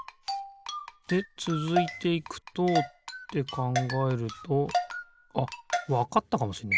でつづいていくとってかんがえるとあっわかったかもしんない